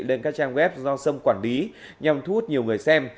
lên các trang web do sâm quản lý nhằm thu hút nhiều người xem